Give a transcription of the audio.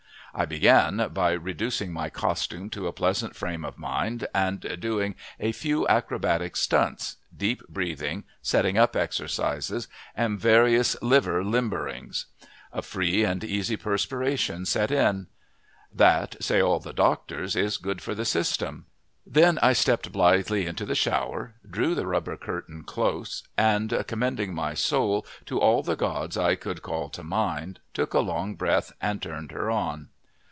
I began by reducing my costume to a pleasant frame of mind and doing a few acrobatic stunts, deep breathing, setting up exercises, and various liver limberings. A free and easy perspiration set in. That, say all the doctors, is good for the system. Then I stepped blithely into the shower, drew the rubber curtain close and, commending my soul to all the gods I could call to mind, took a long breath and turned her on.